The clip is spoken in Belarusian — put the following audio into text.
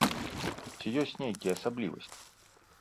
Ці ёсць нейкія асаблівасці?